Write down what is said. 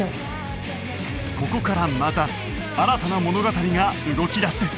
ここからまた新たな物語が動き出す